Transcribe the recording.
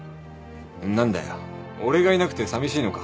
何だよ俺がいなくてさみしいのか。